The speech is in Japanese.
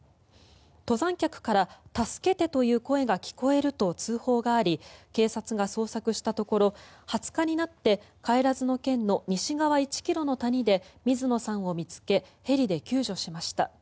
登山客から助けてという声が聞こえると通報があり警察が捜索したところ２０日になって不帰嶮の西側１ｋｍの谷で水野さんを見つけヘリで救助しました。